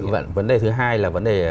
vâng vấn đề thứ hai là